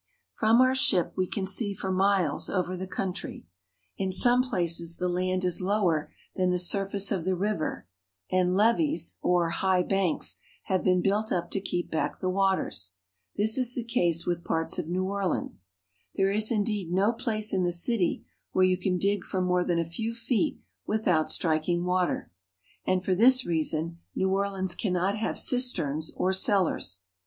From our ship we can see for miles over the country. In some places the land is lower than the surface of the river, and levees, or high banks, have ,been built up to keep back the waters. This is the case with parts of New A Cemetery; New Orleans. Orleans. There is, indeed, no place in the city where you can dig for more than a few feet without striking water, and for this reason New Orleans cannot have cisterns or cellars.